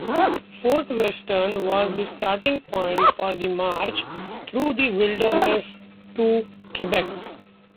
Fort Western was the starting point for the march through the wilderness to Quebec.